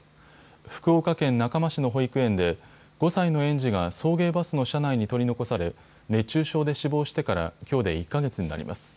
福岡県中間市の保育園で５歳の園児が送迎バスの車内に取り残され熱中症で死亡してからきょうで１か月になります。